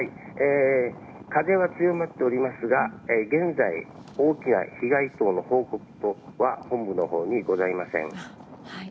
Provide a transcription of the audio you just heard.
風は強まっておりますが現在、大きな被害等の報告は本部のほうにはございません。